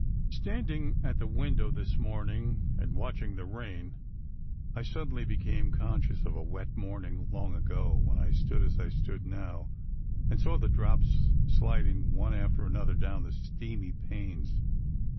Standing at the window this morning and watching the rain, I suddenly became con scious of a wet morning long ago when I stood as I stood now and saw the drops sliding one after another down the steamy panes.